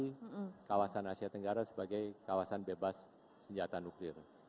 di kawasan asia tenggara sebagai kawasan bebas senjata nuklir